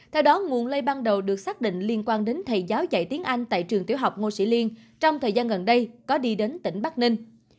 theo đó nguồn lây ban đầu được xác định liên quan đến thầy giáo dạy tiếng anh tại trường tiểu học ngô sĩ liên trong thời gian gần đây có đi đến tỉnh bắc ninh